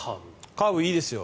カーブ、いいですよ。